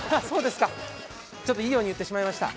いいように言ってしまいました。